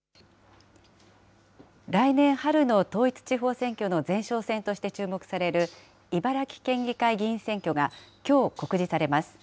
来年春の統一地方選挙の前哨戦として注目される、茨城県議会議員選挙がきょう告示されます。